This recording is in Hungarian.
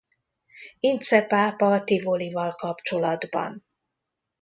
Ince pápa Tivolival kapcsolatban.